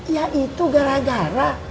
ya itu gara gara